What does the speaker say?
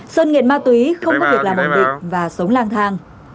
sơn nghiện ma túy không có việc làm mộng đực và sống lang thang